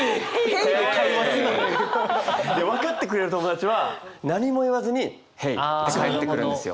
分かってくれる友達は何も言わずに「Ｈｅｙ！」って返ってくるんですよ。